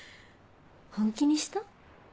本気にした？